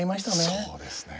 そうですね。